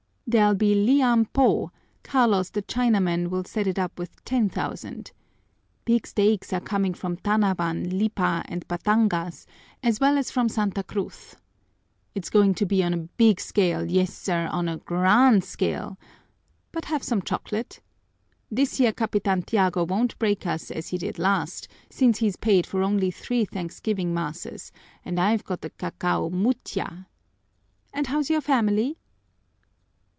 There'll be liam pó: Carlos the Chinaman will set it up with ten thousand. Big stakes are coming from Tanawan, Lipa, and Batangas, as well as from Santa Cruz. It's going to be on a big scale, yes, sir, on a grand scale! But have some chocolate! This year Capitan Tiago won't break us as he did last, since he's paid for only three thanksgiving masses and I've got a cacao mutyâ. And how's your family?"